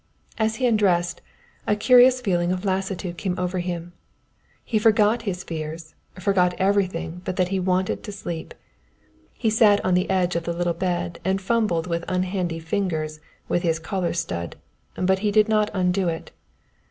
As he undressed, a curious feeling of lassitude came over him. He forgot his fears, forgot everything but that he wanted to sleep. He sat on the edge of the little bed and fumbled with unhandy fingers with his collar stud, but he did not undo it.